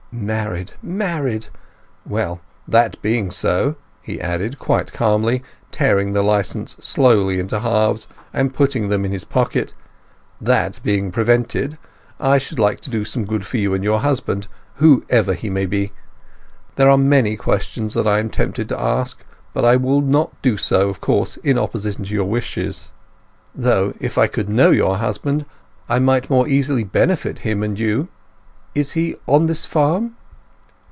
"Married. Married!... Well, that being so," he added, quite calmly, tearing the licence slowly into halves and putting them in his pocket; "that being prevented, I should like to do some good to you and your husband, whoever he may be. There are many questions that I am tempted to ask, but I will not do so, of course, in opposition to your wishes. Though, if I could know your husband, I might more easily benefit him and you. Is he on this farm?"